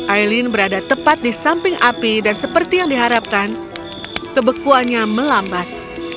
aileen berada tepat di samping api dan seperti yang diharapkan kebekuannya melambat